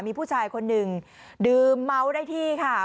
มีผู้ชายคนหนึ่งดื่มเมาได้ที่ค่ะ